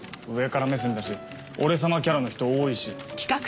上から目線だし俺様キャラの人多いし。